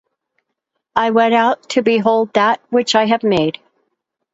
I went out to behold that which I have made.